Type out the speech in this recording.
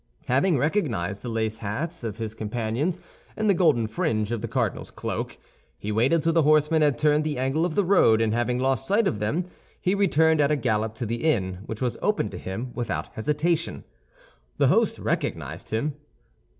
Having recognized the laced hats of his companions and the golden fringe of the cardinal's cloak, he waited till the horsemen had turned the angle of the road, and having lost sight of them, he returned at a gallop to the inn, which was opened to him without hesitation. The host recognized him.